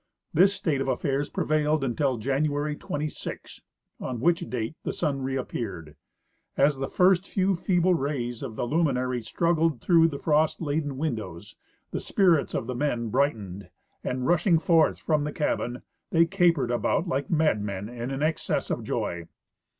This state of affairs prevailed until Ja'iiuary 26, on which date the sun reappeared. As the first few feeble rays of the luminary struggled through the frost laden windows the spirits of the men brightened, and, rushing forth from the cabin, they capered about like mad men in an excess of joy.